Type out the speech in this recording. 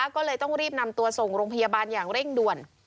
ก็เลยต้องรีบนำตัวส่งโรงพยาบาลอย่างเร่งด่วน